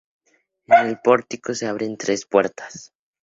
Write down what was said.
En el Pórtico se abren tres puertas.